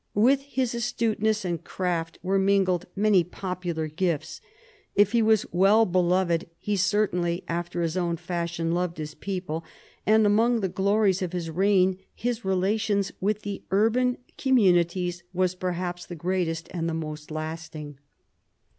With his astuteness and craft were mingled many popular gifts. If he was "well beloved," he certainly, after his own fashion, loved his people, and among the glories of his reign his relations with the urban communities was perhaps the greatest and the most lasting.